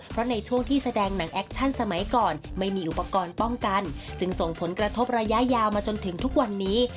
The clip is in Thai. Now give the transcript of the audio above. เพราะในช่วงที่แสดงหนังแอคชั่นสมัยก่อนไม่มีอุปกรณ์ป้องกันจึงส่งผลกระทบระยะยาวมาจนถึงทุกวันนี้